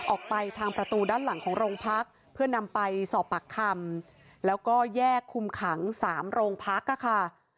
ออกไปทางประตูด้านหลังของโรงพักเพื่อนำไปสอบปากคำแล้วก็แยกคุมขังสามโรงพักค่ะ